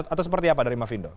atau seperti apa dari mafindo